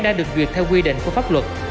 đã được duyệt theo quy định của pháp luật